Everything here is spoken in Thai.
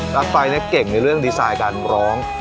ไฟเนี่ยเก่งในเรื่องดีไซน์การร้อง